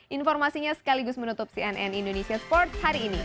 informasinya sekaligus menutup cnn indonesia sport hari ini